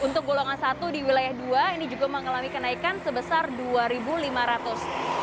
untuk golongan satu di wilayah dua ini juga mengalami kenaikan sebesar rp dua lima ratus